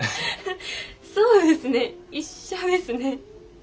そうですね一緒ですね。